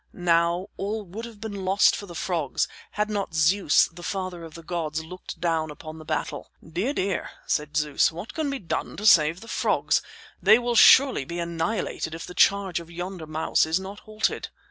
Now all would have been lost for the frogs had not Zeus, the father of the gods, looked down upon the battle. "Dear, dear," said Zeus, "what can be done to save the frogs? They will surely be annihilated if the charge of yonder mouse is not halted."